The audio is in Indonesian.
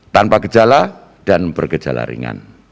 tanpa gejala dan bergejala ringan